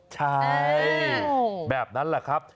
ใช่แบบนั้นแหละครับ